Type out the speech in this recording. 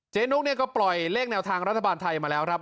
นุกเนี่ยก็ปล่อยเลขแนวทางรัฐบาลไทยมาแล้วครับ